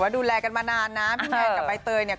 ดูแลกันมานานนะพี่แมนกับใบเตยเนี่ย